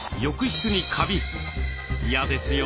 嫌ですよね。